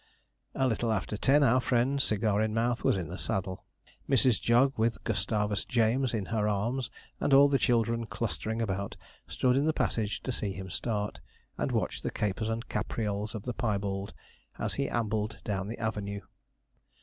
A little after ten our friend, cigar in mouth, was in the saddle. Mrs. Jog, with Gustavus James in her arms, and all the children clustering about, stood in the passage to see him start, and watch the capers and caprioles of the piebald, as he ambled down the avenue.